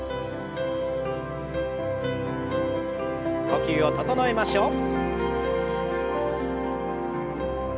呼吸を整えましょう。